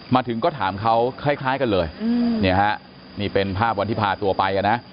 มาถึงก็ถามเขาคล้ายกันเลยนี่เป็นภาพวันที่พาตัวไปนะ